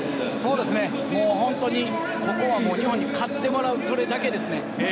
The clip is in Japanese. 本当にここは日本に勝ってもらう、それだけですね。